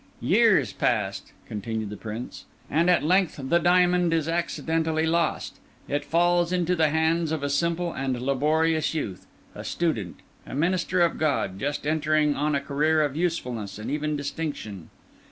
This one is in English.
"Years passed," continued the Prince, "and at length the diamond is accidentally lost. It falls into the hands of a simple and laborious youth, a student, a minister of God, just entering on a career of usefulness and even distinction.